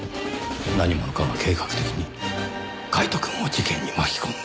何者かが計画的にカイトくんを事件に巻き込んだ。